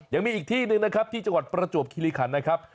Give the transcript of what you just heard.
ยังมีอีกที่หนึ่งนะครับที่จังหวัดประจวบคิริขันนะครับ